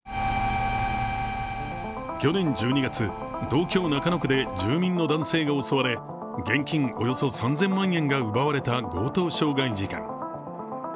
去年１２月、東京・中野区で住民の男性が襲われ現金およそ３０００万円が奪われた強盗傷害事件。